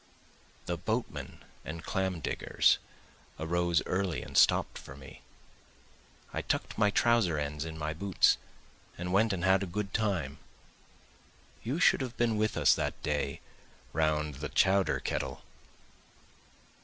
The boatmen and clam diggers arose early and stopt for me, I tuck'd my trowser ends in my boots and went and had a good time; You should have been with us that day round the chowder kettle.